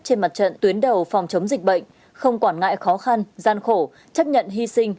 trên mặt trận tuyến đầu phòng chống dịch bệnh không quản ngại khó khăn gian khổ chấp nhận hy sinh